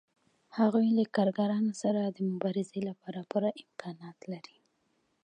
هغوی له کارګرانو سره د مبارزې لپاره پوره امکانات لري